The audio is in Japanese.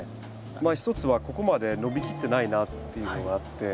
まあ一つはここまで伸びきってないなっていうのがあって。